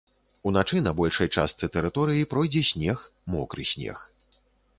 Уначы на большай частцы тэрыторыі пройдзе снег, мокры снег.